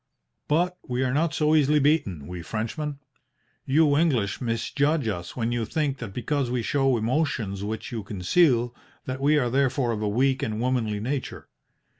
"But we are not so easily beaten, we Frenchmen. You English misjudge us when you think that because we show emotions which you conceal, that we are therefore of a weak and womanly nature.